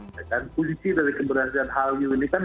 dan kunci dari keberadaan hal you ini kan